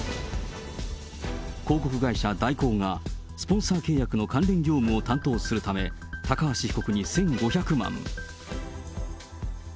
広告会社、大広が、スポンサー契約の関連業務を担当するため、高橋被告に１５００万。